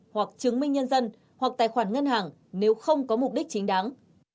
hoặc chứng minh nhân dân hoặc tài khoản ngân hàng nếu không có mục đích chính đáng